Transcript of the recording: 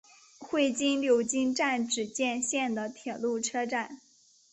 会津柳津站只见线的铁路车站。